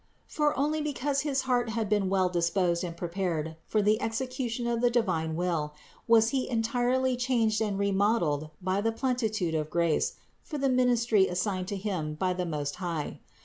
For only because his heart had been well disposed and prepared for the execution of the divine will, was he entirely changed and remodeled by the pleni tude of grace for the ministry assigned to him by the Most High.